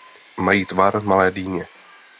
Mají tvar malé dýně.